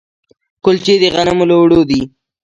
کلچې د غنمو له اوړو دي.